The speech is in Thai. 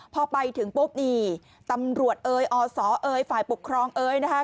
พอไปถึงปุ๊บนี่ตำรวจเอ๋ยอศเอยฝ่ายปกครองเอ๋ยนะคะ